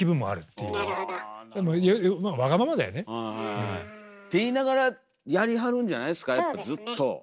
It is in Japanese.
まあわがままだよね。って言いながらやりはるんじゃないですかずっと。